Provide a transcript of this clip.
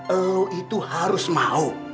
lo itu harus mau